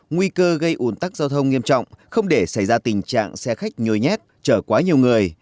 nguy cơ gây ủn tắc giao thông nghiêm trọng không để xảy ra tình trạng xe khách nhồi nhét chở quá nhiều người